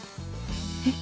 えっ。